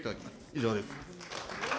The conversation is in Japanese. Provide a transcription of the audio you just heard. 以上です。